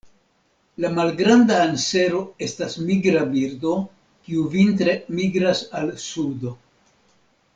La Malgranda ansero estas migra birdo, kiu vintre migras al sudo.